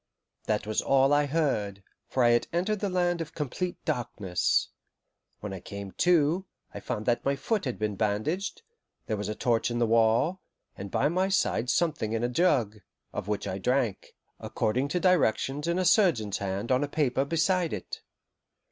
That was all I heard, for I had entered the land of complete darkness. When I came to, I found that my foot had been bandaged, there was a torch in the wall, and by my side something in a jug, of which I drank, according to directions in a surgeon's hand on a paper beside it.